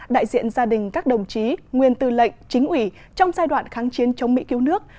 đại diện gia đình các đồng chí nguyên tư lệnh chính ủy trong giai đoạn kháng chiến chống mỹ cứu nước